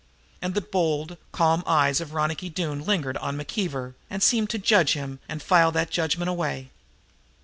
And the bold, calm eyes of Ronicky Doone lingered on McKeever and seemed to judge him and file that judgment away.